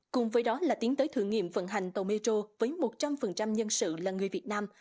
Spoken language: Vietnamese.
cùng với đó là tiến tới thử nghiệm vận hành tàu metro với một trăm linh nhân sự là người việt nam